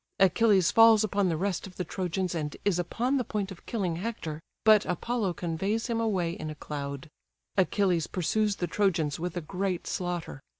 Achilles falls upon the rest of the Trojans, and is upon the point of killing Hector, but Apollo conveys him away in a cloud. Achilles pursues the Trojans with a great slaughter.